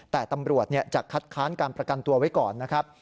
แต่ตำรวจจะคัดค้านการประกันตัวไว้ก่อนนะครับ